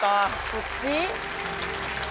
そっち？